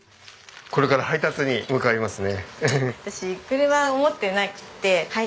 これから配達に向かいますね。